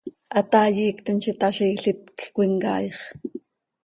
Hataai iictim z itaazi, ilít quij cöimcaaix.